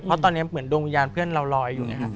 เพราะตอนนี้เหมือนดวงวิญญาณเพื่อนเราลอยอยู่ไงครับ